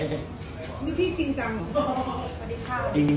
นี่พี่จริงจัง